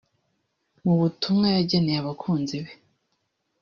Mu butumwa yageneye abakunzi be